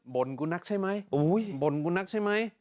กูนักใช่ไหมบ่นกูนักใช่ไหม